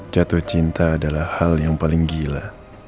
jatuh cinta adalah hal yang paling gila